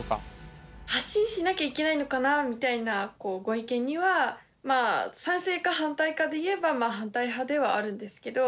発信しなきゃいけないのかなみたいなご意見にはまあ賛成か反対かで言えば反対派ではあるんですけど。